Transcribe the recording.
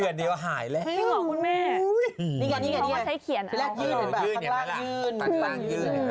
แต่จริงยังไงอันนี้